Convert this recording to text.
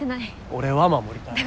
俺は守りたい。